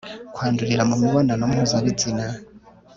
kwandurira mu mibonano mpuzabitsina